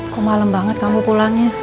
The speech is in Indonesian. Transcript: kok malem banget kamu pulangnya